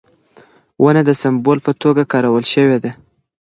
ونه د سمبول په توګه کارول شوې ده.